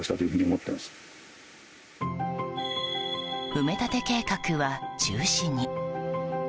埋め立て計画は中止に。